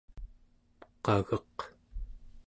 qageq